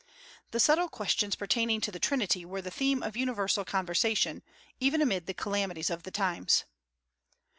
The subtle questions pertaining to the Trinity were the theme of universal conversation, even amid the calamities of the times.